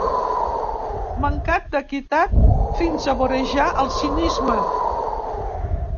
Mancat d'equitat fins a vorejar el cinisme.